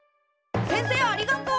先生ありがとう！